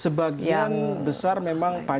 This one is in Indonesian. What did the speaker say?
sebagian besar memang pajak